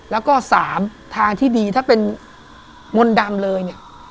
แล้วก็๓ทางที่ดีถ้าเป็นมนตร์ดำเลย